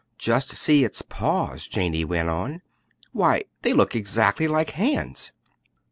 "Just see its paws," Janey went on, "why, they look exactly like hands."